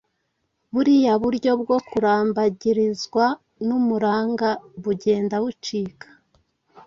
Buriya buryo bwo kurambagirizwa n’umuranga bugenda bucika.